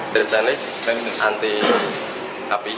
dari jenis anti api